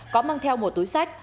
có mang theo một túi sách